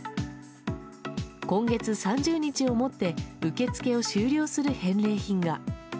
今月３０日をもって受付を終了する返礼品が。